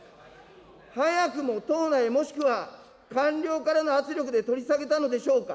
早くも党内、もしくは官僚からの圧力で取り下げたのでしょうか。